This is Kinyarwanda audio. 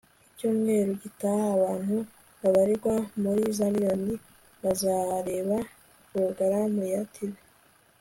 icyumweru gitaha, abantu babarirwa muri za miriyoni bazareba porogaramu ya tv